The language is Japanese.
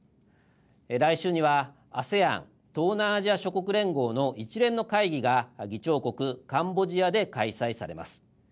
来週にはＡＳＥＡＮ＝東南アジア諸国連合の一連の会議が議長国カンボジアで開催されます。